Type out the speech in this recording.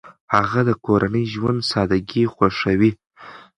هغه د کورني ژوند سادګي خوښوي.